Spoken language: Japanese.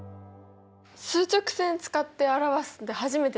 数直線使って表すって初めてだしさ。